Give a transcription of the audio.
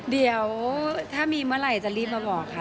เดี๋ยวถ้ามีเมื่อไหร่จะรีบมาบอกค่ะ